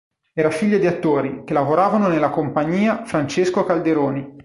Era figlia di attori, che lavoravano nella compagnia Francesco Calderoni.